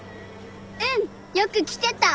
うん！よく来てた。